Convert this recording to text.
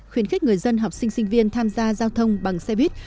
khuyến khích người dân học sinh sinh viên tham gia giao thông bằng xe buýt